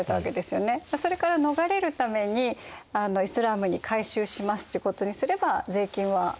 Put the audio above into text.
それから逃れるためにイスラームに改宗しますっていうことにすれば税金は？